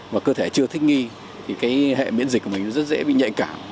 và cơ thể chưa thích nghi thì cái hệ miễn dịch của mình rất dễ bị nhạy cảm